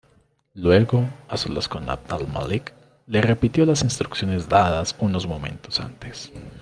Luego, a solas con Abd al-Malik, le repitió las instrucciones dadas unos momentos antes.